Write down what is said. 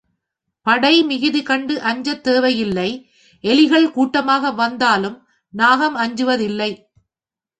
படை மிகுதி கண்டு அஞ்சத் தேவை இல்லை எலிகள் கூட்டமாக வந்தாலும் நாகம் அஞ்சுவது இல்லை.